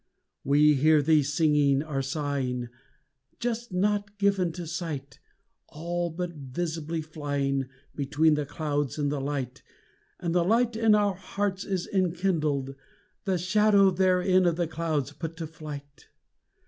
We hear thee singing or sighing, Just not given to sight, All but visibly flying Between the clouds and the light, And the light in our hearts is enkindled, the shadow therein of the clouds put to flight.